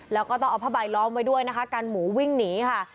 แล้วก็ต้องเอาผ้าใบล้อมไว้ด้วยนะคะกันหมูวิ่งหนีค่ะ